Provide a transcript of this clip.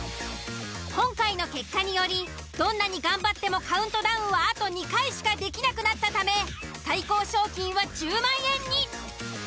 今回の結果によりどんなに頑張ってもカウントダウンはあと２回しかできなくなったため最高賞金は１０万円に。